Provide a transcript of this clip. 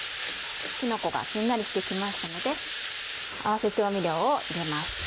きのこがしんなりして来ましたので合わせ調味料を入れます。